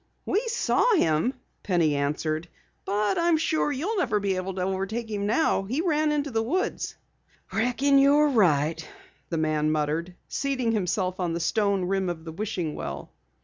"We saw him," Penny answered, "but I'm sure you'll never overtake him now. He ran into the woods." "Reckon you're right," the man muttered, seating himself on the stone rim of the wishing well.